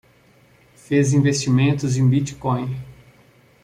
Fez investimentos em Bitcoin